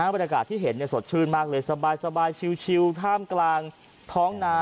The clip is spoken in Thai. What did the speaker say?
บรรยากาศที่เห็นสดชื่นมากเลยสบายชิวท่ามกลางท้องนา